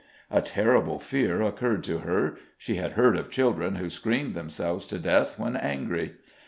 A terrible fear occurred to her! she had heard of children who screamed themselves to death when angry.